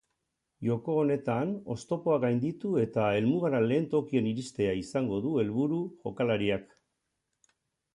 Joko honetan oztopoak gainditu eta helmugara lehen tokian iristea izango du helburu jokalariak.